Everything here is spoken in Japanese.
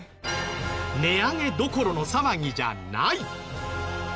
値上げどころの騒ぎじゃない！